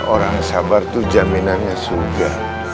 orang sabar tuh jaminannya sudah